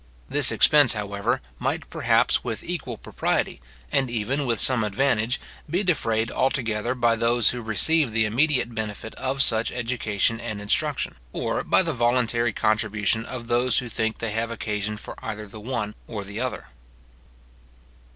This expense, however, might, perhaps, with equal propriety, and even with some advantage, be defrayed altogether by those who receive the immediate benefit of such education and instruction, or by the voluntary contribution of those who think they have occasion for either the one or the other.